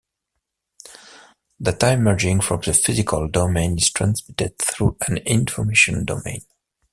Data emerging from the physical domain is transmitted through an information domain.